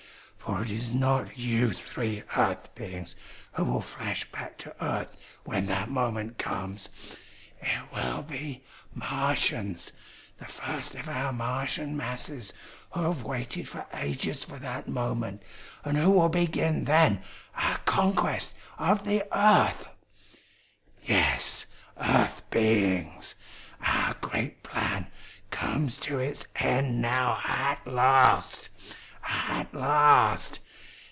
For it is not you three Earth beings who will flash back to earth when that moment comes! It will be Martians, the first of our Martian masses who have waited for ages for that moment and who will begin then our conquest of the earth! "Yes, Earth beings, our great plan comes to its end now at last! At last!